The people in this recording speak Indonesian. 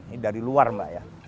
ini dari luar mbak ya